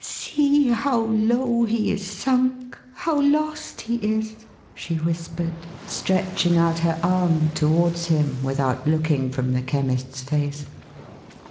" See how low he is sunk, how lost he is !" she whispered, stretching out her arm towards him, without looking from the Chemist's face.